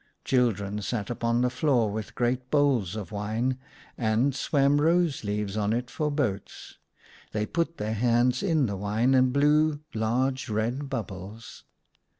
Children sat upon the floor with great bowls of wine, and swam rose leaves on it, for boats. They put their hands in the wine and blew largre red bubbles.